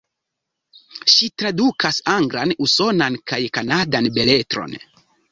Ŝi tradukas anglan, usonan kaj kanadan beletron.